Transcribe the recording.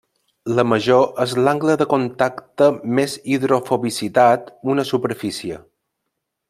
La major és l'angle de contacte més hidrofobicitat una superfície.